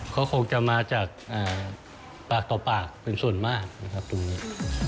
เขาคงจะมาจากปากต่อปากเป็นส่วนมากนะครับตรงนี้